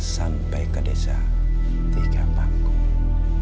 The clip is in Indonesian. sampai ke desa tiga panggung